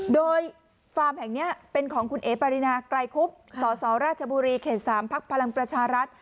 โดยฟาร์มแห่งนี้เป็นของคุณเอ๋ปรินาไกลคุบสสราชบุรีเขต๓พักพลังประชารัฐ